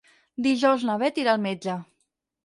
Dijous na Beth irà al metge.